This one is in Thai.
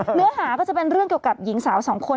เนื้อหาก็จะเป็นเรื่องเกี่ยวกับหญิงสาวสองคน